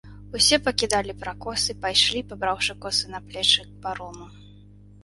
Усе пакідалі пракосы, пайшлі, пабраўшы косы на плечы, к парому.